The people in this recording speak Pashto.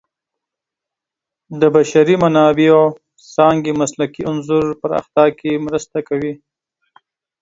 د بشري منابعو څانګې مسلکي انځور پراختیا کې مرسته کوي.